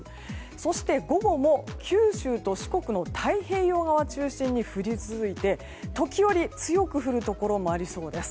そして、午後も九州と四国の太平洋側を中心に降り続いて、時折強く降るところもありそうです。